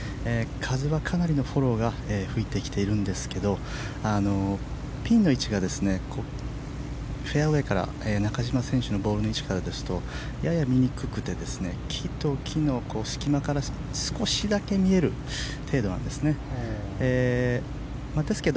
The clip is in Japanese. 風はかなりのフォローが吹いてきているんですけどピンの位置がフェアウェーから中島選手のボールの位置からですとやや見にくくて木と木の隙間から少しだけ見える程度なんですね。